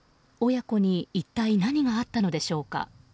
親子に一体何があったのでしょうか。